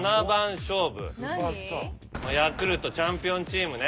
ヤクルトチャンピオンチームね。